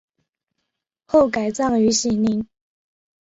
后改葬于禧陵。